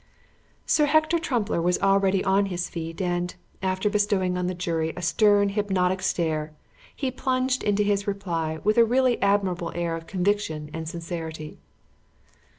Sir Hector Trumpler was already on his feet and, after bestowing on the jury a stern hypnotic stare, he plunged into his reply with a really admirable air of conviction and sincerity.